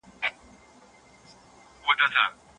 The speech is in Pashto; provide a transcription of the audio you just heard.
سوسیالیستي نظام د فردي ملکیت مخالف دی.